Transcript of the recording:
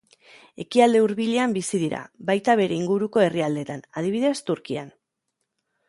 Ekialde Hurbilean bizi dira, baita bere inguruko herrialdetan, adibidez Turkian.